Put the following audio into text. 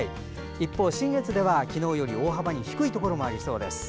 一方、信越では昨日より大幅に低いところもありそうです。